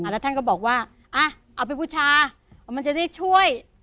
แล้วท่านก็บอกว่าเอาไปบูชามันจะได้ช่วย